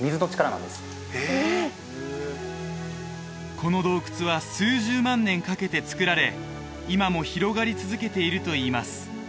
この洞窟は数十万年かけてつくられ今も広がり続けているといいます